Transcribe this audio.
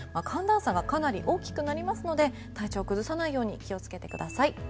寒暖差がかなり大きくなりますので体調を崩さないように気をつけてください。